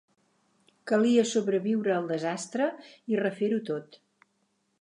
Calia sobreviure al desastre i refer-ho tot.